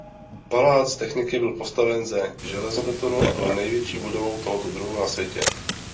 Palác techniky byl postaven ze železobetonu a byl největší budovou tohoto druhu na světě.